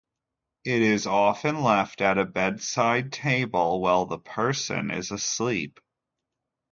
It is often left at a bed side table while the person is asleep.